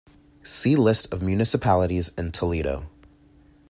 See List of municipalities in Toledo.